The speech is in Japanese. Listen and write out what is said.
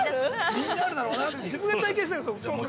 ◆みんなあるだろうなっていう。